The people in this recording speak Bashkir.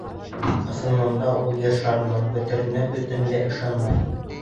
Ысынында, ул Ер шарының бөтөрөнә бөтөнләй ышанмай.